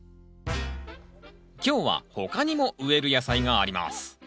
今日は他にも植える野菜があります